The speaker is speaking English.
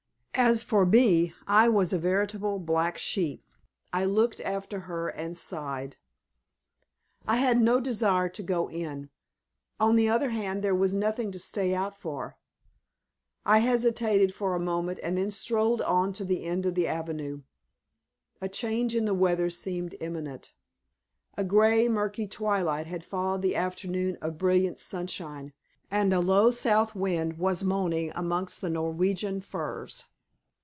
As for me, I was a veritable black sheep. I looked after her and sighed. I had no desire to go in; on the other hand, there was nothing to stay out for. I hesitated for a moment, and then strolled on to the end of the avenue. A change in the weather seemed imminent. A grey, murky twilight had followed the afternoon of brilliant sunshine, and a low south wind was moaning amongst the Norwegian firs.